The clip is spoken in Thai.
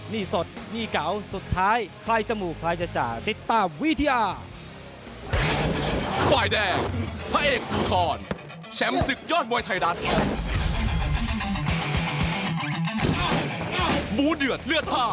นี่สดนี่เกาสุดท้ายใครจะหมู่ใครจะจ่าติ๊กต้าวิทยา